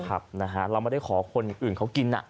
เราไม่ได้ขอคนอื่นเขากิน